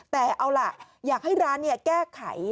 แต่เอาล่ะอยากให้ร้านแก้ไข